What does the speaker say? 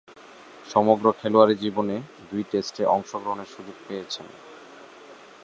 সমগ্র খেলোয়াড়ী জীবনে দুই টেস্টে অংশগ্রহণের সুযোগ পেয়েছেন।